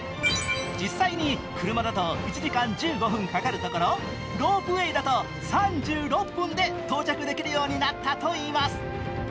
実際に車だと１時間１５分かかるところをロープウエーだと３６分で到着できるようになったといいます。